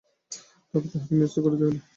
তবে তাহাকে নিরস্ত করিতে হইল।